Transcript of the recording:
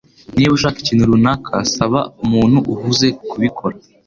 Niba ushaka ikintu runaka, saba umuntu uhuze kubikora.